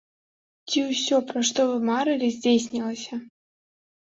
Ці ўсё, пра што вы марылі, здзейснілася?